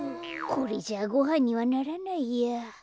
これじゃごはんにはならないや。